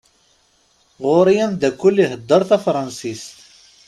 Ɣur-i amdakel ihedder tafransist.